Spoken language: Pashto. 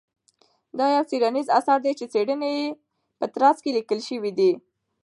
دا يو څېړنيز اثر دى چې د څېړنې په ترڅ کې ليکل شوى.